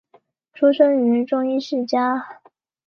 出生于中医世家。